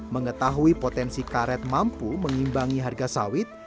mengetahui potensi karet mampu mengimbangi harga sawit